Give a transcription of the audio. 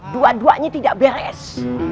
dua duanya tidak beres